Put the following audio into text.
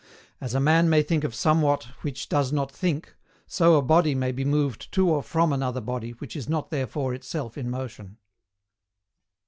As a man may think of somewhat which does not think, so a body may be moved to or from another body which is not therefore itself in motion.